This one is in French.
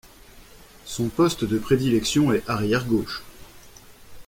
Son poste de prédilection est arrière gauche.